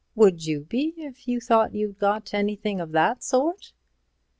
Would you be, if you thought you'd got anything of that sort?"